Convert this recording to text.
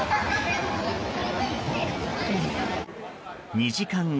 ２時間後。